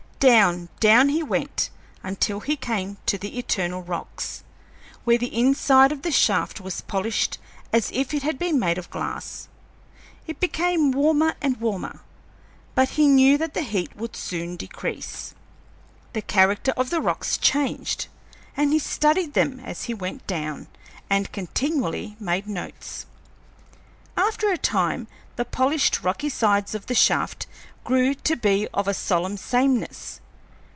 Down, down he went until he came to the eternal rocks, where the inside of the shaft was polished as if it had been made of glass. It became warmer and warmer, but he knew that the heat would soon decrease. The character of the rocks changed, and he studied them as he went down, and continually made notes. After a time the polished rocky sides of the shaft grew to be of a solemn sameness.